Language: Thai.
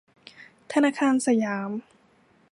ธนาคารสยาม